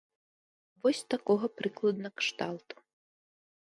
Вось такога прыкладна кшталту.